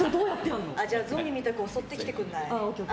ゾンビみたく襲ってきてくれない？